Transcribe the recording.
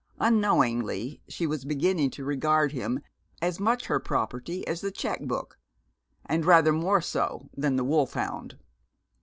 Unknowingly, she was beginning to regard him as much her property as the check book, and rather more so than the wolfhound.